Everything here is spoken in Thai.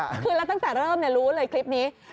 คือแล้วตั้งแต่เริ่มรู้เลยคลิปนี้